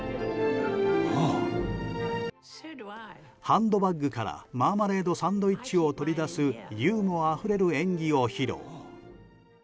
ハンドバッグからマーマレードサンドイッチを取り出すユーモアあふれる演技を披露。